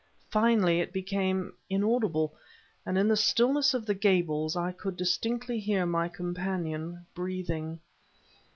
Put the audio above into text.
Finally it became inaudible, and in the stillness of the Gables I could distinctly hear my companion breathing.